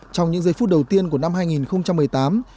trong những giây phút đầu tiên của năm hai nghìn một mươi tám